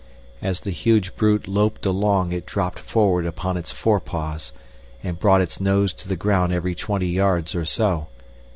As the huge brute loped along it dropped forward upon its fore paws and brought its nose to the ground every twenty yards or so.